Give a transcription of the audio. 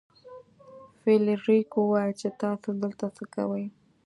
فلیریک وویل چې تاسو دلته څه کوئ.